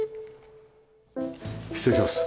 失礼します。